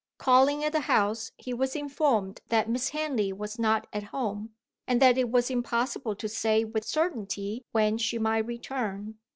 Calling at the house, he was informed that Miss Henley was not at home, and that it was impossible to say with certainty when she might return.